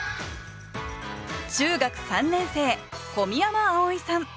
中学３年生小宮山碧生さん。